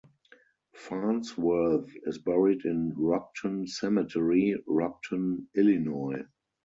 Farnsworth is buried in Rockton Cemetery, Rockton, Illinois.